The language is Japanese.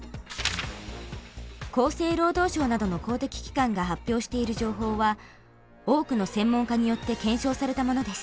厚生労働省などの公的機関が発表している情報は多くの専門家によって検証されたものです。